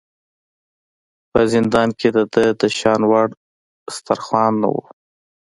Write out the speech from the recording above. په زندان کې د ده د شان وړ دسترخوان نه و.